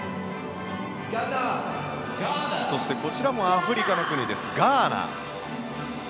そしてこちらもアフリカの国ですガーナ。